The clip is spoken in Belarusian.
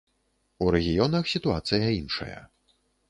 У рэгіёнах сітуацыя іншая.